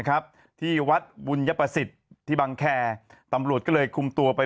ครับที่วัดบุญยประสิทธิ์ที่บังแคร์ตำรวจก็เลยคุมตัวไป